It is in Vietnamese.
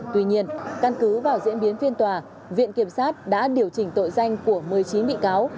tuy nhiên căn cứ vào diễn biến phiên tòa viện kiểm sát đã điều chỉnh tội danh của một mươi chín bị cáo